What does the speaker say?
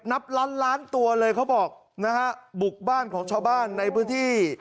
นับล้านล้านตัวเลยเขาบอกนะฮะบุกบ้านของชาวบ้านในพื้นที่